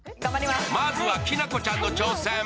まずはきなこちゃんの挑戦。